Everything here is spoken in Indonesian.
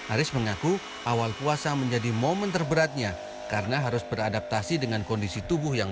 aris mengaku awal puasa menjadi momen terberatnya karena harus beradaptasi dengan kondisi tubuh yang